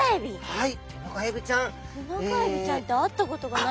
はい。